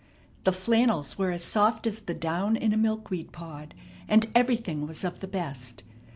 The flannels were as soft as the down in a milkweed pod, and everything was of the best.